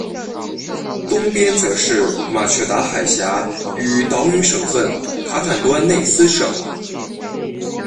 东边则是马却达海峡与岛屿省份卡坦端内斯省。